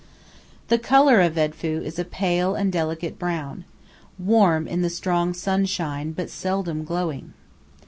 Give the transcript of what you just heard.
The color of Edfu is a pale and delicate brown, warm in the strong sunshine, but seldom glowing.